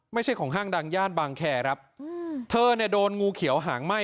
ไม่ใช่ของห้างดังย่านบางแคร์ครับเธอเนี่ยโดนงูเขียวหางไหม้